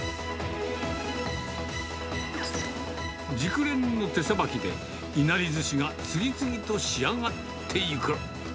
熟練の手さばきで、いなりずしが次々と仕上がっていく。